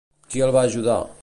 Qui el va ajudar?